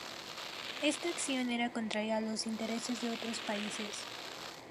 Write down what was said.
Esta acción era contraria a los intereses de otros países.